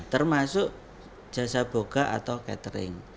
termasuk jasa buka atau catering